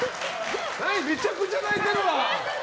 めちゃくちゃ泣いてるわ！